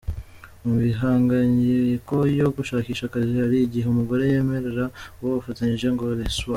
Mu mihangayiko yo gushakisha akazi, hari igihe umugore yemerera uwo batashakanye ngo “reçois….